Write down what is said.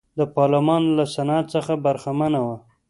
د پارلمان له سنت څخه برخمنه وه.